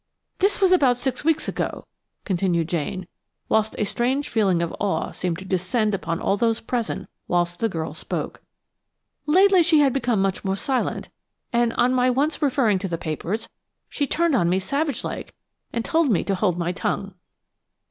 "This was about six weeks ago," continued Jane, whilst a strange feeling of awe seemed to descend upon all those present whilst the girl spoke. "Lately she became much more silent, and, on my once referring to the papers, she turned on me savage like and told me to hold my tongue."